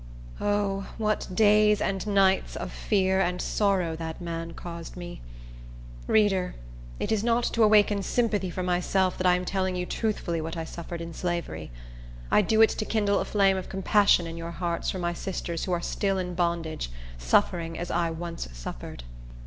O, what days and nights of fear and sorrow that man caused me! Reader, it is not to awaken sympathy for myself that I am telling you truthfully what I suffered in slavery. I do it to kindle a flame of compassion in your hearts for my sisters who are still in bondage, suffering as I once suffered.